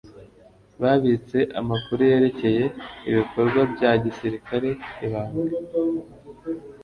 babitse amakuru yerekeye ibikorwa bya gisirikare ibanga